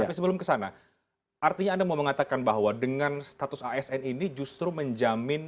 tapi sebelum kesana artinya anda mau mengatakan bahwa dengan status asn ini justru menjamin